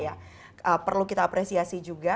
ya perlu kita apresiasi juga